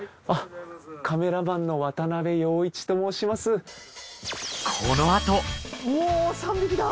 カメラマンの渡部陽一と申します。